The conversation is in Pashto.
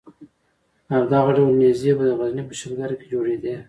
او دغه ډول نېزې به د غزني په شلګر کې جوړېدې.